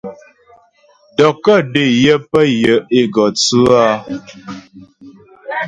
Dɔkɔ́́ dé yə pə pé yə́ é gɔ tsʉ áa.